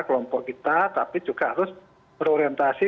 kelompok kita tapi juga harus berorientasi